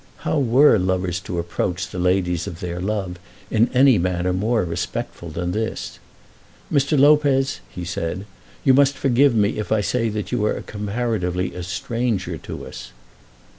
How were lovers to approach the ladies of their love in any manner more respectful than this? "Mr. Lopez," he said, "you must forgive me if I say that you are comparatively a stranger to us."